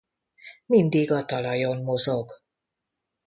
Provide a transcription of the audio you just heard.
Mindig a talajon mozog.